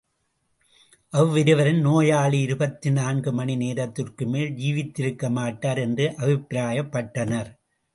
அவ்விருவரும் நோயாளி இருபத்து நான்கு மணி நேரத்திற்குமேல் ஜீவித்திருக்கமாட்டார் என்று அபிப்பிராயப்பட்டனர்.